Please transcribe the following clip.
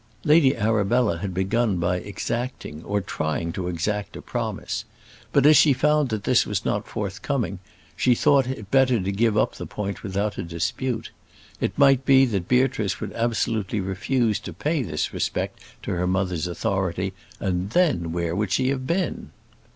Lady Arabella had begun by exacting, or trying to exact a promise, but as she found that this was not forthcoming, she thought it better to give up the point without a dispute. It might be that Beatrice would absolutely refuse to pay this respect to her mother's authority, and then where would she have been?